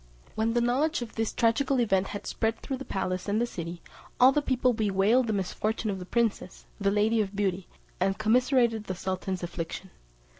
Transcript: When the knowledge of this tragical event had spread through the palace and the city, all the people bewailed the misfortune of the princess, the Lady of Beauty, and commiserated the sultan's affliction.